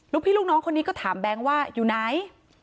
พี่ลูกน้องคนนี้ก็ถามแบงค์ว่าอยู่ไหน